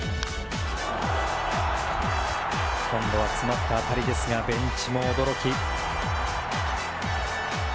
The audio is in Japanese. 今度は詰まった当たりですがベンチも驚き。